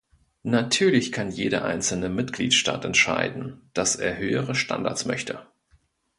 Natürlich kann jeder einzelne Mitgliedstaat entscheiden, dass er höhere Standards möchte.